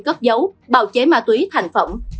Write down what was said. cất dấu bào chế ma túy thành phẩm